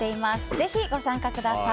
ぜひご参加ください。